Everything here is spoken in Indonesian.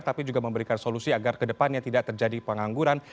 tapi juga memberikan solusi agar kedepannya tidak terjadi pengangguran